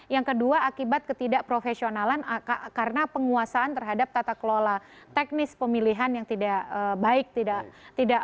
yang kedua akibat ketidakprofesionalan karena penguasaan terhadap tata kelola teknis pemilihan yang tidak baik tidak